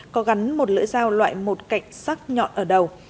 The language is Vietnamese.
có gắn một lưỡi dao loại một cạnh sắc nhọn ở đầu